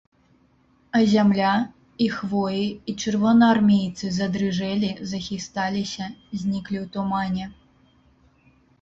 А зямля, і хвоі, і чырвонаармейцы задрыжэлі, захісталіся, зніклі ў тумане.